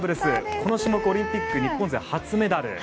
この種目オリンピック日本勢初メダル。